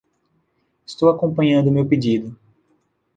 Estou acompanhando meu pedido.